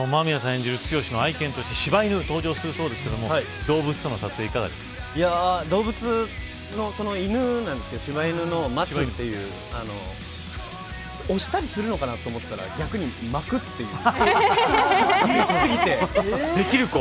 演じる剛の愛犬として柴犬が登場するそうですが動物の犬なんですが柴犬の松という押したりするのかなと思ったら逆に、巻くというできすぎて。